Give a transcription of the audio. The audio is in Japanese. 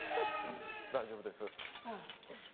大丈夫です？ああ。